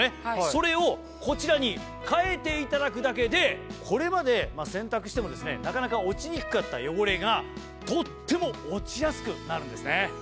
それをこちらに替えていただくだけでこれまで洗濯してもなかなか落ちにくかった汚れがとっても落ちやすくなるんですね。